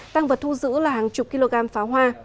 tăng vật thu giữ là hàng chục kg pháo hoa